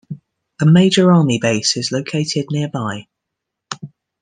A major army base is located nearby.